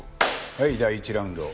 はい第１ラウンド。